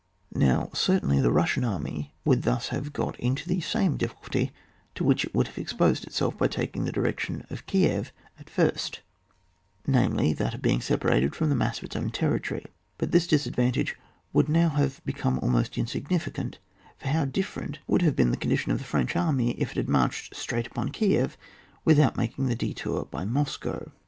Now, certainly, the Russian army would thus have got into the same diffi culty to which it would have exposed itself by taking the direction of Kiew at first, namely, that of being separated from the mass of its own territory ; but this disadvantage would now have be come almost insignificant, for how dif ferent would have been the condition of the French army if it had marched straight upon Kiew without making the detour by Moscow.